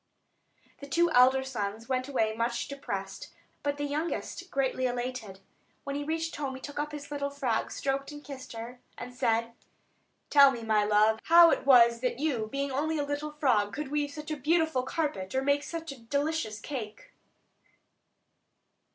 The two elder sons went away much depressed; but the youngest greatly elated. When he reached home he took up his little frog, stroked and kissed her, and said: "Tell me, my love, how it was that you, being only a little frog, could weave such a beautiful carpet, or make such a delicious cake?"